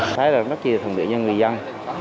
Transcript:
thế là rất nhiều thông điệp cho người dân